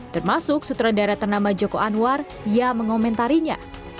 termasuk sutradara ternama joko anwar yang mengomentarinya